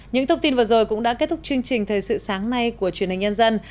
những thông tin vừa rồi cũng đã kết thúc chương trình thời sự sáng nay của truyền hình nhân dân